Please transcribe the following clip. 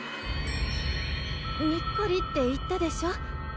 ニッコリって言ったでしょ？